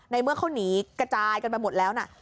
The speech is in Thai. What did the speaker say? เมื่อเขาหนีกระจายกันไปหมดแล้วนะ